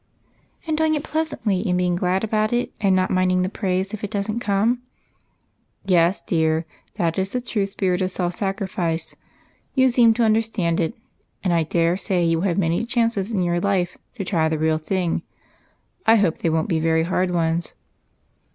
" And doing it pleasantly, and being glad about it, and not minding the praise if it does n't come ?"" Yes, dear, that is the true spirit of self sacrifice ; you seem to understand it, and I dare say you will have many chances in your life to try the real thing. I hope they won't be very hard ones."